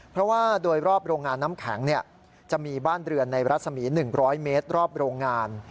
เพราะว่าโดยรอบโรงงานน้ำแข็งจะมีบ้านเรือนในรัศมี๑๐๐เมตรรอบโรงงาน